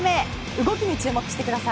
動きに注目してください。